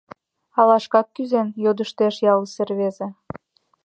Ала шкак кӱзен? — йодыштеш ялысе рвезе.